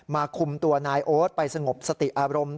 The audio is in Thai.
คุมตัวนายโอ๊ตไปสงบสติอารมณ์